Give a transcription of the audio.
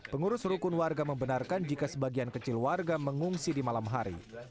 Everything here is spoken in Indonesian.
pengurus rukun warga membenarkan jika sebagian kecil warga mengungsi di malam hari